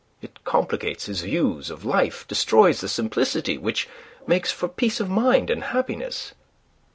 It complicates his views of life, destroys the simplicity which makes for peace of mind and happiness.